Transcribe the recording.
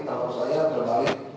kalau saya terbalik